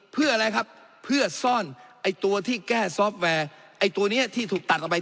เพื่ออะไรครับเพื่อซ่อนไอ้ตัวที่แก้ซอฟต์แวร์ไอ้ตัวนี้ที่ถูกตัดออกไป